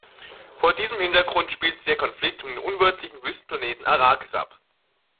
Vor diesem Hintergrund spielt sich der Konflikt um den unwirtlichen Wüstenplaneten Arrakis ab.